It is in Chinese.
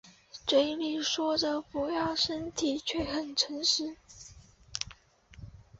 嘴里说着不要身体却很诚实